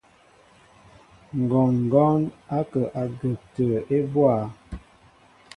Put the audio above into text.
Ŋgɔɔŋgɔn ó kǝǝ agǝǝp atǝǝ ebóá.